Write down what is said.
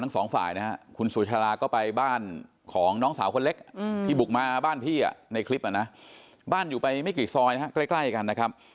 น้องสาวคนเล็กที่บุกมาบ้านพี่ในคลิปนะบ้านอยู่ไปไม่กี่ซอยใกล้กันนะครับ